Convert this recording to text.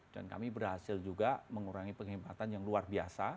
dan kami berhasil juga mengurangi penghematan yang luar biasa